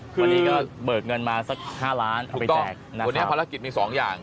วันนี้ก็เบิกเงินมาสัก๕ล้านเอาไปแจกวันนี้ภารกิจมีสองอย่าง